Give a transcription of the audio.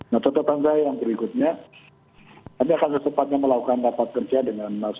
nah catatan saya yang berikutnya kami akan secepatnya melakukan rapat kerja dengan mas